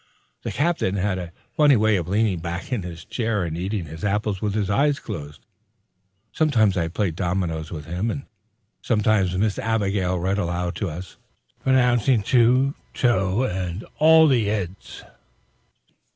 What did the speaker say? The Captain had a funny way of leaning back in the chair, and eating his apple with his eyes closed. Sometimes I played dominos with him, and sometimes Miss Abigail read aloud to us, pronouncing "to" toe, and sounding all the eds.